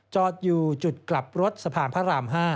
จอดอยู่จุดกลับรถสะพานพระราม๕